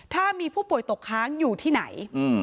ถ้ามีผู้ป่วยตกค้างอยู่ที่ไหน